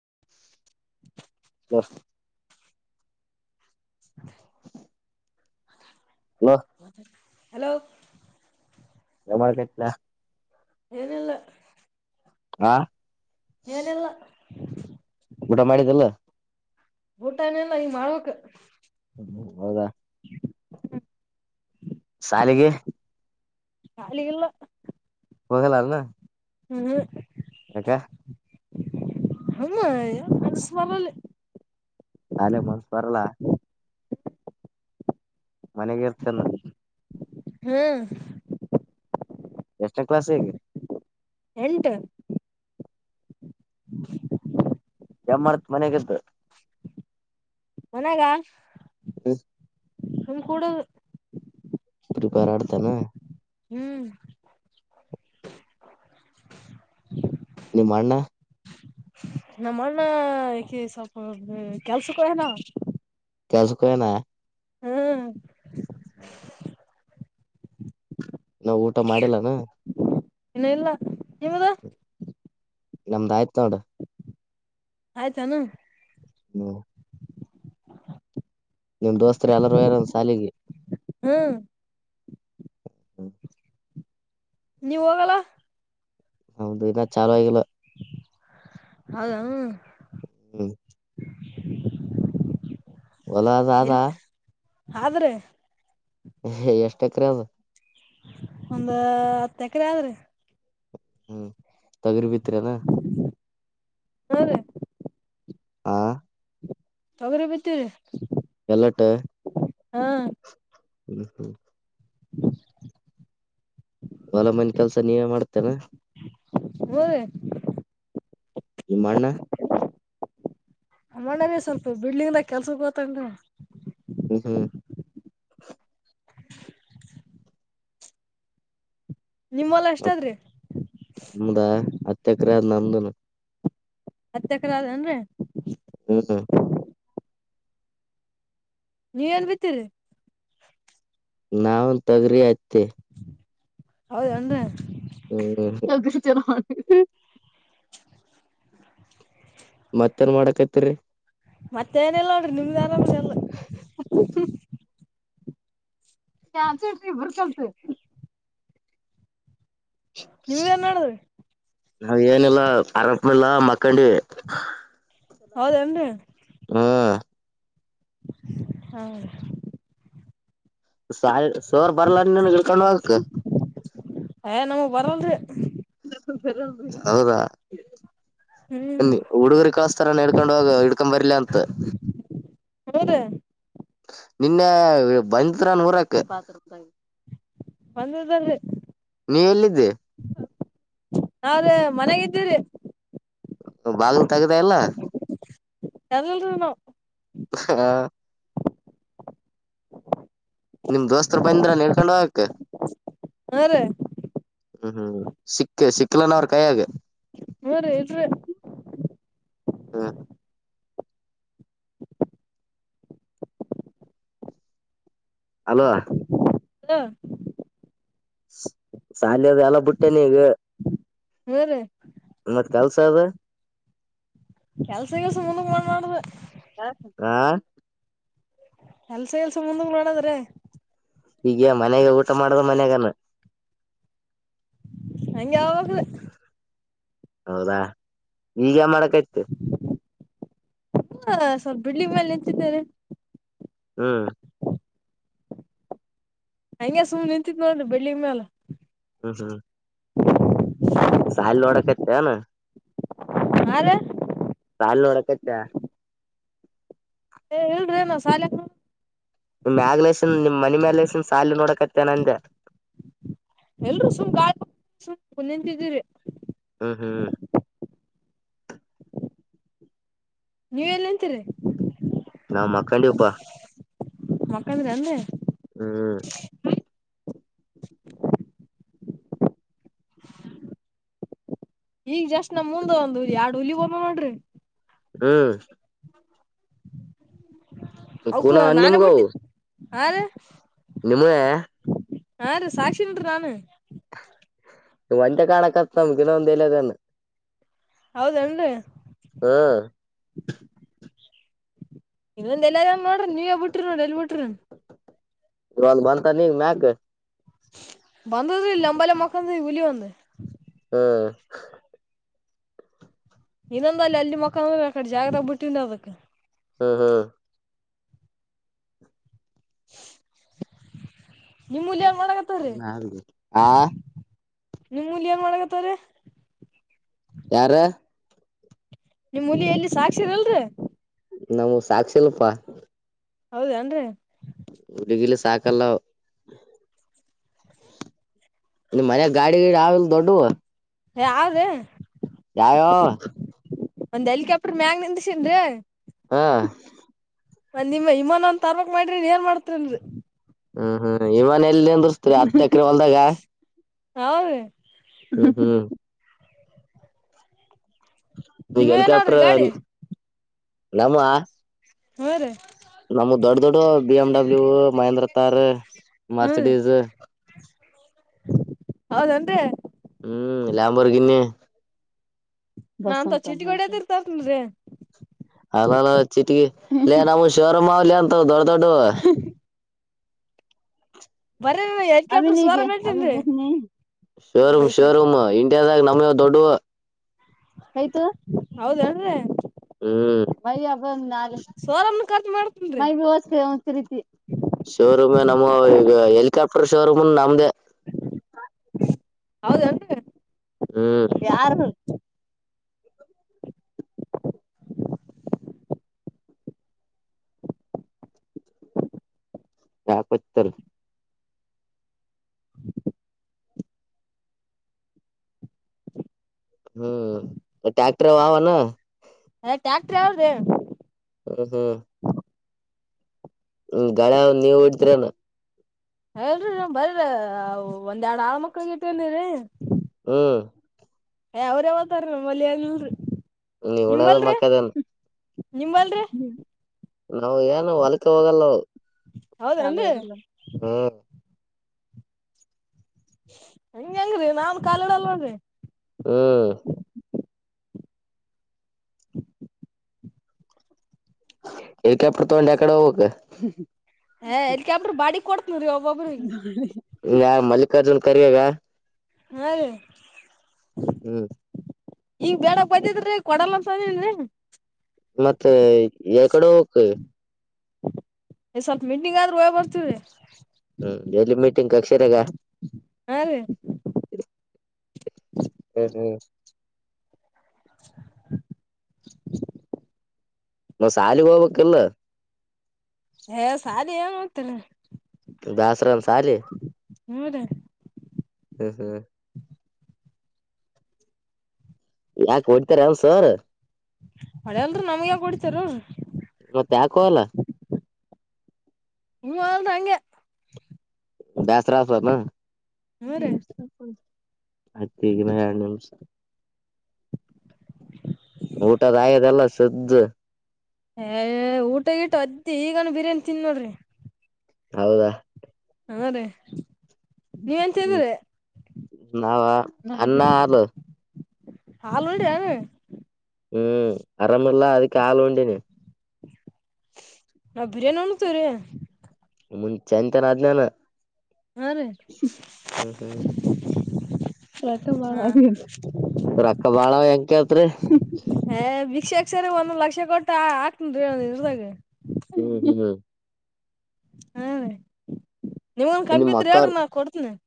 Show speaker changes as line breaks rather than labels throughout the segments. [unintelligible] Hello
hello.
ನಮಳ ಕಟ್ಲ
ಏನಿಲ್ಲ.
ಹಾ.
ಏನಿಲ್ಲಾ.
ಊಟ ಮಾಡಿದೀಲ್ಲ.
ಊಟ ಏನಿಲ್ಲ ಈಗ ಮಾಡಬೇಕು.
ಹ್ಮ ಹೌದಾ ಶಾಲಿಗೆ.
ಶಾಲಿಗಿಲ್ಲ.
ಹೋಗಲ್ಲನ.
ಹ್ಮ್.
ಯಾಕ.
ಸುಮ್ನೆ ಇವತು ಮಿಸ್ ಬರಲ್ಲ.
ಅಲೆ ಮತ ಬರಲ್ಲ. ಮನೆಗ ಇರತೇನು.
ಹ್ಮ್.
ಎಷ್ಟನೇ ಕ್ಲಾಸ್ ಇಗ.
ಎಂಟು.
ಏನ ಮಾಡ್ತಾ ಮನೆಗ ಇದು.
ಮನೆಗ.
[inaudible]
ನಮ್ ಕೂಡದು.
ಫ್ರೀ ಫೈರ್ ಆಡತಿ ಏನು.
ಹ್ಮ್.
[inaudible] ನಿಮ್ಮ ಅಣ್ಣ.
ನಮ್ಮ ಅಣ್ಣ ಈ ಸ್ವಲ್ಪ ಕೆಲಸಕ್ಕ ಹೊಗ್ಯನ ಅವ.
ಕೆಲಸಕ ಹೊಗ್ಯನ.
ಹ್ಮ್.
[inaudible] ಇನ್ನು ಊಟ ಮಾಡಿಲ್ಲ ಏನು.
ಇನ್ನು ಇಲ್ಲ ನಿಮ್ಮದ
ನಮ್ದ ಆಯ್ತ ನೋಡ
ಆಯ್ತಾನು
ಹ ನಿಮ್ ದೋಸ್ತರು ಎಲ್ಲಾರೂ ಯಾರ ಸಾಲಿಗೆ
ಹ್ಮ್
ಹ್ಮ
ನೀವ ಹೋಗಲ್ಲ
ಹೌದು ಇನ್ನ ಚಾಲೂ ಆಗಲ್ಲ
ಹೌದಾ
ಹ
ಎಲ್
ಒಲದಾದಾ
ಆದ್ರೆ
ಎಷ್ಟ ಎಕರೆ ಅದು
ಒಂದ ಹತ್ತು ಎಕರೆ ಆದ್ರಿ
ಹ್ಮ್ ತಗರಿ ಭತ್ರೆನಾ
ಹಾ ರಿ
ಆ
ತೊಗರಿ ಬಿದ್ದೆವ್ರಿ
ಎಲ್ಲಟ
ಹಾ
ಹ್ಮ ಹ್ಮ
ಹ್ಮ
ಹೊಲ ಮನ ಕೆಲ್ಸ ನೀವೇ ಮಾಡ್ತೇನಾ
ಹ
ನಿಮ್ಮಣ್ಣ
ನಮ್ಮನ್ನ ಸ್ವಲ್ಪ ಬಿಡ್ಲಿಂಗದ ಕೆಲ್ಸ ಗೋತ್ತು
ಹ್ಮ್
ನಿಮ್ಮಲ್ಲ ಎಷ್ಟಾದ್ರಿ
ಒಂದ ಹತ್ಯೆಕ್ರಿಯದ ನಮ್ದುನು
ಹತ್ತ ಎಕರ ಏನ್ರೀ
ಹೂ
ನೀವ ಏನ್ ಬಿತ್ತರಿ
ನಾವನ್ ತಗ್ರಿ ಆಯ್ತೆ
ಹೌದನ
ಚನ [unintelligible] ಮತ್ತೇನ್ ಮಾಡಕೈತಿರಿ
ಮತ್ತೆ ಏನಲ್ಲ ನೋಡ್ರಿ ನಿಮ್ದ್ ಆರಾಮ್
[unintelligible] [unintelligible]
ನೀವು ಏನ್ ಮಾಡಡದ್ರಿ
ನಾವ ಏನಿಲ್ಲ ಅರಸಲ್ಲ ಮಕ್ಕಂಡಿ
ಹೌದೇನ್ರಿ
ಹಾ..
ಹೌದು
ಸಾಯಿ ಸೋರ್ ಬರ್ಲಾರ ನೀನ್ ಇಳ್ಕೊಂಡ್ ಹಕ್
ಏ ನಮಗ್ ಬರಲ್ರಿ
ಹೌದಾ..
ಹ್ಮ್
ಹುಡುಗರು ಕಳಸ್ತಾರಾನ ಹಡ್ಕೊಂಡ ಹೋಗ ಹಿಡ್ಕೊ ಬರ್ಲಿ ಅಂತ
ಹ್ಮದ
ನಿನ್ನೆ ಬಂದರ ನೂರಕ
ಒಂದ
ಎಲ್ಲಿದ್ದಿ
ಹಾವ್ರೆ ಮನಾಗ ಇದಿದ್ದೀರಿ
ಬಾಗಲು ತಗದಾ ಎಲ್ಲ
ಯದಲ್ನ
ಹಾ..
ಹ
ನಿಮ್ ದೋಸ್ತರು ಬಂದ್ರ ನಿಳ್ಕೊಂಡ ಹಕ
ಹೂ ರೀ
ಹ್ಮ್ ಹ್ಮ್ ಸಿಕ್ಕ ಸಿಕ್ಕಲಾನ ಅವ್ರ ಕೈಯಾಗ
ಹ್ಮ ರೀ ಇಲರಿ
ಹ್ಮ. ಅಲೋ
ಹಲೋ
ಶಾಲಯದ ಎಲ್ಲ ಬಿಟ್ಟೆ ನೀಗ
ಹ್ಮ ರೀ
ಮ ಕಲ್ಸದ
ಕೆಲ್ಸ ಕೆಲ್ಸ ಮುಂದ ಮಾಡ ಮಾಡ್ದ
ಆ
ಎಲ್ಸ ಎಲ್ಸ ಮುಂದಂಗ ಮಾಡಡದ್ರ
ಈಗ ಮನ್ಯಾಗ ಊಟ ಮಾಡದ ಮನ್ಯಾಗಾನ
ಹಂಗಗೆ ಯಾವಾಗ
ಹೌದಾ ಈಗ ಮಾಡಕಯ್ತು
ಹ ಸ್ವಲ್ಪ ಬಿಡ್ಲಿ ಮೇಲೆ ನಿಂತಿದ್ದಾರೆ
ಹ್ಮ್..
ಹಂಗೆ ಸುಮ್ ನಿಂತಿತ್ ನೋಡ್ರಿ ಬೆಳ್ಳಿ ಮ್ಯಾಲ
ಸಾಯಿಲ್ ನೋಡಕ ಇತೆನ
ಹದ
ಸಾಲೂರ ಕಚ
ಏ ಹೇಳ್ರಿ ನ ಶಾಲ
ನಿಮ್ಮ್್ಯಾಗಲೆನ್ ನಿಮ್ ಮನೆ ಮ್ಯಾಲಲೆ ಹೆಸನ್ ಸಾಲ ನೋಡಕತ್ತೇನ ಅಂದ
ಎಲ್ರುೂ ಸುಮ್ ನಿತಿದ್ದೀರಿ
ಹ್ಮ್
ನೀವ ಎಲ್ಲಂತೀರಿ
ನಾವು ಮಕ್ಕಂಡಿಪ್ಪಾ
ಮಕ್ಕಳಿದೆ ಅಲ್ಲೆ
ಹ್ಮ್
ಈಗ್ ಜಸ್ಟ್ ನಮ್ ಮುಂದೆ ಒಂದುಎರಡು ಹುಲಿ ಹಮ್ಮ ಮಾಡ್ರಿ
ಹ್ಮ್ ಕೂನ
ಅಕ್ಕ ನಾನೇ
ನಿಮ್ಗವು
ಬಿುಟ್ಟಿದ್ದ ಹ ರ
ನಿಮೇ
ಹಾ ರೀ ಸಾಕ್ಷಿನ್ರಿ ನಾನ್
ಮಂದ ಕಣಕ್ಕತ್ತ ಮಗನ ಎಂದೇಲ
ಹೌದನ್ರಿ
ಹ್ಮ್
ಇ ಒಂದ ಎಲ್ಲಾ ನೋಡ್ರ ನೀವೇ ಬಿರಿ ನೋ ಎಲ್ಲಿ ಬಿಟ್ರಿ
ಲ್ ಬಂದಂತ ನೀ ಮಕ
ಬಂದ ಇ ನಂಬಲ್ಲ ಮಕ್ಕಂದ ಹಲಿ ಬಂದ
ಹ್ಮ
ಇನ್ನೊಂದ ಅಲ್ಲಿ ಅಲ್ಲಿ ಮಕ್ಕಳಂದ್ರೆ ಆ ಕಡೆ ಜಾಗದಾಗ ಬಿಟ್ಟಿಂದ ಅದಕ್
ಹ್ಮ ಹ್ಮ
ನಿಮ್ಮಲ್ಲಿಂಗ ಒಳಗತ್ತವ್ರೀ
ಹ್ಮ್ ಆ
ನಿಮ್ಮಲ್ ಹಂಗ ಒಳಗತ್ತ [unintelligible]
ಯಾರ
ನಿಮ್ಮ್ ಹುಲಿ ಎಲ್ಲಿ ಸಾಕ್ಷಿರಲ್ರರಿ
ನಮ್ ಸಾಕ್ ಶಲ್ಪ
ಹೌದನ್ರಿ
ಉಡುಗಿಲ್ಲ ಸಾಕಲ್ಲ ಮರ ಗಾಡಿ ಗಡಿ ಆಲು ದೊಡ್ಡು
ಯಾವದ
ಯಾಯ
ಒಂದ್ ಹೆಲಿಕಾಪ್ಟರ್ ಮ್ಯಾಗ ನಿಂದಸನ್ ರೇ
ಹಾ
ನಿಮ್ಮ ಇಮಾನ ಒಂದ ತರ್ಬಕ್ ಮಾಡ್ರಿ ನೀನ್ ಏನ್ ಮಾಡ್ತರಿಲ್ರಿ
ಹ್ಮ್ ಹ್ಮ್ ಇಮನ ಎಲ್ಲಿ ಅಂದರ್ಸ್ತರಿ ಹತ್ ಎಕರೆ ಹೊಲ್ದಾಗ
ಹೌದ
ಹ್ಮ ಹ್ಮ್ ಈಗ
ನಿಮ್ವೇನವ್ರಿ
ಹೆಲಿಕಾಪ್ಟರ್
ಗಾಡಿ
ನಮ್ಮ
ಹ ರೀ
ನಮ ದೊಡ್ ದೊಡ್ಡ B M W Mahindra Thar Mercedes
ಹೌದೇನ್ರೀ
ಹ್ಮ್ ಲಯಂಬರ್ಗಿನ್ನಿ
ನಾಂತ ಚೀಟಿ ಹೊಡ್ಯದ ಇರ್ತತ್ನ್
ಅಲ ಅಲ ಚಿಟಕಿ ಇಲ್ಲನ್ಮಶೋರೂಮ್ ಆಲಿ ಅಂತ ದೊಡ್ಡ ದೊಡ್ಡ
ಬರೀ
[unintelligible]
ಹೆಲಿಕಾಪ್ಟರ್ ಸೋರ ಮೇತನ್ರಿ
ದಾಗ ನಮಗೆ ದೊಡ್ಡ ಆಯ್ತು
ಹೌದನ್ ರೀ
ಮರಿ ಅಬ ನಾಳೆ
ಸೋರಮ್ನ ಖರ್ಚು ಮಾಡ್ತನ್ರಿ
[unintelligible] ಪ್ರಫಷೋರೂಮ ನಮದ
ಹೌದನ್ರಿ
ಹ ಯಾರದು ಕ ಪತ್ತರ್ ಹ್ಮ್ ಟ್ಯಾಕ್ಟರ್ ಅವನ
ಅ ಟ್ಯಾಕ್ಟ್ರವರ್ ರ
ಹ್ಮ್ ಹ್ಮ್ ಹ್ಮ ಗಳ ನೀವ್ ಇಡ್ತರನ
ಹೇಳರಿ ನ ಬರ್ರ ಒಂದ ಎರಡ್ ಆರ್ ಮಕ್ಳಗ ಇಟ್ಟಲ್ರಿ
ಹ್ಮ
ಅವ್ರೇ ತಾರ ನ ಮಲ್ಯನೂ್ರ
ನೀವುನದ ಮಕ್ಕದನು
ನಿಮ್ಮಲ್ರಿ
ನಾವ್ ಏನು ಹೊಲ್ಕ್ಕೆ ಹೋಗಲ್ಲ ಕಾಲ
ಹೌದೇನ್ರಿ
ಇಡಲ್ಲ
ಹಂಗಗೆ ಹೆಂಗ್ರೀ ನಾನ್ ಕಾಲಡ ಅಲ್ಡ್ರಿ
ಹ್ಮ ಹೆಲಿಕಾಪ್ಟರ್ ತ ಒಂಡ ಯಕಡೆ ಎಕ್ಕಡೆ ಹೋಗ್ಬೇಕು
ಹ ಎಲ್ಕಬ್ಬ್ರ ಬಾಡಿ ಕೊಡತ ನ್ರೀ ಒಬ್ಬೊಬ್ರ
ಇ ಮಲ್ಲಿಕಾರ್ಜುನ್ ಕರಿಯಾಗ
ಹಾ
ಹ್ಮ್
ಈಂಗ ಬೇಡಪ್ಪತಿದ್ರೀ ಕೊಡಲ್ಲಸನ್ರಿ
ಮತ್ತೆ ಯ ಕಡೆ ಹೋಗಕ್
ಸ್ವಲ್ಪ ಮೀಟಿಂಗ್ ಆದ್ರೂ ಹೋಗ ಬರ್ತೀವರಿ
ಹ್ಮ್ ಎಲ್ಲಿ ಮೀಟಿಂಗ್ ಅಕ್ಷರಗ
ಹಾ ರೀ
ಹ್ಮ ಹ್ಮ
[inaudible]
ಸಾಲಿಗೆ ಹೋಬಕಿಲ್ಲ
ಯ ಸಾಲಿಗೆ ಏನ್ ಹೋಗೇತಿ
ಬೇಸರನ್ ಸಾಲಿ
ಹೌದಾ
ಹ್ಮ್ ಹ್ಮ್ ಯಾಕ ಹೊಡ್ತಾರ ಸರ್
ಹಳೆದ್ರ ನಮ್ಗೆ ಯಾಕ್ ಹೊಡಿತ್ಯರ ಅವರ
ಇವತ್ತು ಯಾಕೋಲ
ಹ ಆಳದಾಂಗ
ಬೇಸರತನ
ಹ್ಞೂ ರೀ
ಅತ್ತ ಈಗಿನ ನಿಮಷ ಊಟದ ಆಗ್ಯದಲ್ಲ. ಸ್ಜ
ಊಟಗಿಟ್ಟ ಅದ್ದಿ ಈಗಾನ ಬಿರಿಯಾನಿ ತಿನ್ ನೋಡ್ರಿ
ಹೌದಾ
ಹಾ ರೀ ನೀವ ಎಂತ ಇದ್ರಿ
ನಾವ ಅನ್ನ ಹಾಲ
ಹಾಲ್ ಒಡಿ ಅವ
ಹ್ಮ್ ಅರಮಲ್ಲಾ ಅದಕ್ಕೆ ಹಾಲು ಉಂಡಿನಿ
ನಾವ್ ಬಿರಿಯಾನಿ ಉಣಗ್ತೇವ್ರೀ
ಮ ಚೈನಂತ ಅದೇನ
ಹಾ ರೀ
ಹ್ಮ ಹ್ಮ್ ರ
ಹಾ
ಬಾಳ ರೊಕ್ಕ ಬಾಳ ಎಂಕತ್ರಿ
ಹ ಭಿಕ್ಷೆಕ್ ಸರಿ ಒಂದೊಂದ್ ಲಕ್ಷ ಕೊಟ್ಟ ಹಾಕ್ತಾನಾರಿ ಇರ್ದಾಗ
ಹ್ಮ್ ಹ್ಮ್ ಹ್ಮ್
ಹಾ ರ ನೀವನ್ ಕಂತ್
ನಿಮ್
ಬಿಡ್ತಳ ರೀ ನಾ ಕೊಡ್ತನರೀ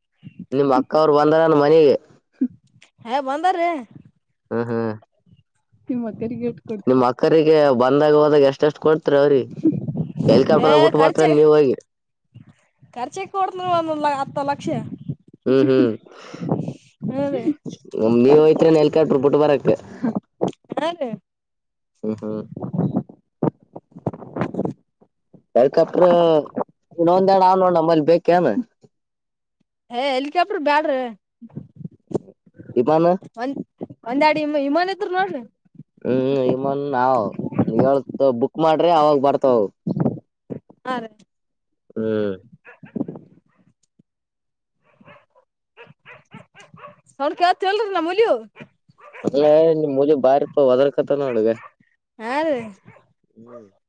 ಅವರು ಬಂದರ ನ್ ಮನಿಗೆ
ಹೇ ಬಂದಾರೀ
ಹ್ಮ್ ಹ್ಮ್ ನಿಮ್ಮ್ ಅಕ್ಕರಿಗೆ ಬಂದಾಗ ಹೋದಾಗ ಎ ಎಷ್ಟಷ್ಟು ಕೊಡ್ತರ ಅವ್ರೀ ಹೆಲಿಕಾಪ್ಟರ್ ಬಿಟ್ಟಬತ್ರ ನೀವ ಹೋಗಿ
ಖರ್ಚಗೆ ಕೊಡ್ತನ ಒಂದ ಹತ್ತು ಲಕ್ಷ
ಹ್ಮ್
ಹಾ ರೀ
ಹ್ಮ್ ನೀವ ಹಯತ್ ನೆಲ್ ಕಟರು ಬಿಟ್ಟು ಬರಕ್ಕೆ
ಹಾ ರೀ
ಹ ಹಾ
[inaudible]
ಹೇಲಿಕ್ಯಾಪ್ಟರ್ ಇನೊಂದೆಡ ಅದ್ ನೋಡ ನಮ್ಮಲ್ಲಿ ಬೇಕನ
ಏ ಹೆಲಿಕಾಪ್ಟರ್ ಬ್ಯಾಡ್ರಿ
ವಿಮಾನ
ಒಂದ ಒಂದ್ಡ ಇಮನ್ ಇದರು ನೋಡ್ರಿ
ಹ್ಮ್ ಇಮನ್ ನಾವ ಹೇಳ್ತ ಬುಕ್ ಮಾಡ್ರಿ ಅವಾಗ ಬರ್ತಾವ
ಹಾ ರ
ಹ್ಮ್
ನಡ್ ಕತ್ ಹೇಳ್ರ ನ ಮುಲಯು
ಅ ಮುಜೆ ಬಾರಿಪ್ಪ ವದಲ್ಕತ ನ ಅಡಡುಗ
ಹಾ ರೀ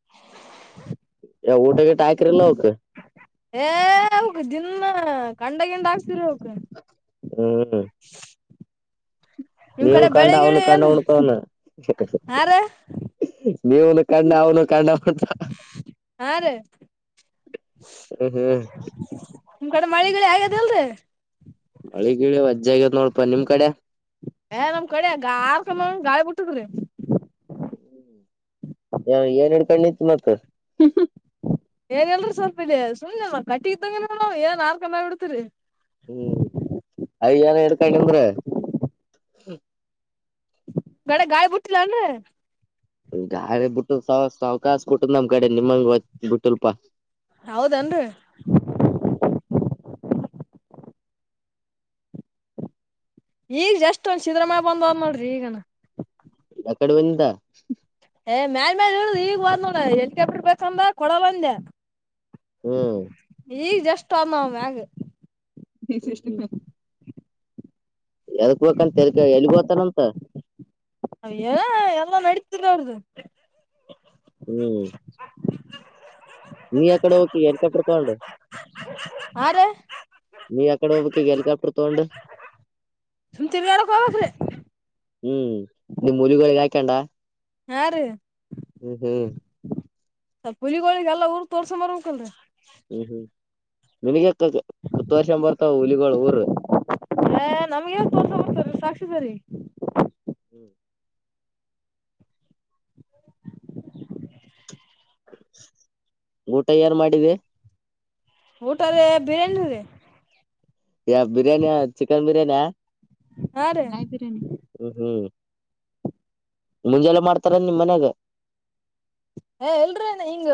[unintelligible]
ಯ ಊಟ ಗಿಟ ಹಾಕಿರಿಲ್ಲ ಅವಕ್
ಏ ಅವಕ ದಿನ್ ಕಂಡಗಿಂಡ ಹಾಕ್ಸ್ತಿರಿ ಅವಕ
ಹ್ಮ್
ನಿಮ್
ನೀವು
ಕಡೆ
ಕಂಡ
ಬೆಳಿ ಗಿಳಿ
ಅವನು ಕಂಡ
ಏನು
ಅವನು ತ
ಹಾ ರೀ
ನೀವನು ಕಣ್ಣ ಅವನು ಕಣ್ಣ
ಹಾ ರೀ
ಹ್ಮ್ ಹ್ಮ್
ನಿಮ್ ಕಡೆ ಮಳೆಗಡೆ ಆಗ್ಯದ ಅಲ್ರಿೀ
ಮಳಿಗಿಳ ಅಜ್ಜ ಆಗ್ಯದ ನೋಡಪ ನಿಮ್ ಕಡೆ
ಏ ನಮ್ ಕಡೆ ಗಾರ್ ಕಮ್ಮ ಗಾಳಿ ಬಿಟ್ಟತ್್ರೀ
ಎರ ಎಡು ಕಣ ಇತ್ತು ಮತ್ತ
ಏನ್ ಎಲ್ರರಿ ಸ್ವಲ್ಪ ಇ ಸು್ನೆ ಕಟ್ಟಿ ಇದ್ದಂಗ ಏನ್ ಆಾರ್ ಕಮ್ಮಿ ಬಿಡ್ತರಿ
ಹ್ಮ್ ಅಯ್ಯಏನ ಹಡ್ಕಂದ್ರೆ
ಗಡೆ ಗಾಯ ಬಿುಟ್ಟಿಲ್ಲ ಅನ್್ರ
ಈ ಗಾರಿ ಬಿಟ್ಟು ಅವಕಾಶ ಕೊಟ್ಟದ ನಮ್ ಕಡೆ ನಿಮ್ಮಂಗ ಬಿಟ್ಟಲ್ಪಾ
ಹೌದೇನ್ರಿ ಈಗ ಜಷ್ಟಟ್ ಒಂದ್ ಶಿದ್ರಮಯ ಬಂದ್ ಅದ್ ನೋಡ್ರಿ ಈಗನ
ಯ ಕಡೆ ಬಂದಿಂದ
ಏ ಮ್ಯಾಲಲ್ ಮೇಾಲ ಹೇಳ ಈಗ ಬಂದ ನೋಡ ಎಕ ಬಿಡ್ಬೇಕಂದ್ರ ಕೊಡ ಬಂದೆ
ಹ್ಮ್
ಈಗ ಜಷ್ಟು ಅಮ ಮ್ಯಾಗ
ಜಯ ಶ ಶಕ [unintelligible] ಎದಕ್ ಬಂತ ಎಕ ಎಲ್ಗತಾನಂತ
ಅವ ಏನ ಎಲ್ಲ ನಡತರ ಅವ್ರ್ದ
ಹ್ಮ್ ನೀ ಅ ಕಡೆ ನೋಕಿ ಎನಕ್ಕೆಪಡ್ ತೊಂಡ
ಹಾ ರೀ
ನೀ ಅಕಡೆ ಹಬಗ ಹೆಲಿಕಾಪ್ಟರ್ ತೋೊಂಡ
ನಿ ತಿರಿಗಡ ಕ ಬಸ್ರ [unintelligible]
ಹ್ಮ್ ಇ ಮುಲಗಿ ಆಾಯ್ಕೊಂಡ
ಹಾ ರೀ
ಹ್ಮ್ ಹ್ಮ್
ಸ ಪುಲಿಗಳಳಿಗೆ ಎಲ್ಲಾ ಊರ್ ತೋರ್ಸ ಮರ್ಕ್ಕಲ್
ಹ್ಮ್ ಹ್ಮ್ ನಿನಗೆ ತ್ತು ವರ್ಷ ಬರ್ತಾವ ಉಲಗಳು ಊರು
ಬರಿ
ಹ್ಮ್ ಊಟ ಯಾರು ಮಾಡಿದೆ
ಊಟದೇ ಬಿರಯಾನಿ ರೀ
ಯ ಬಿರಯಾನಿ ಚಿಕನ್ ಬಿರ್ಯಾನಿ
ಹಾ ರೀ
ಹ್ಮ ಮುಂಜೆಲ್ಲ ಮಾಡ್ತಾರ ನಿಮ್ಮ ಮನ್ಯಾಗ
ಹ ಎಲ್ರ ಹಿಂಗ